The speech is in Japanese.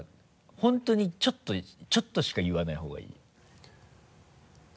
本当にちょっとしか言わない方がいい。